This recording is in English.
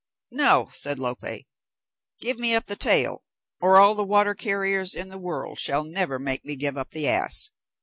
"No," said Lope, "give me up the tail, or all the water carriers in the world shall never make me give up the ass.